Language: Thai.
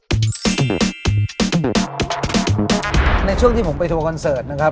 ในช่วงที่ผมไปทัวร์คอนเสิร์ตนะครับ